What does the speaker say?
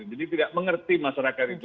jadi tidak mengerti masyarakat itu